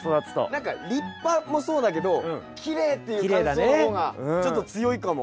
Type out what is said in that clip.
何か立派もそうだけどきれいっていう感想の方がちょっと強いかも。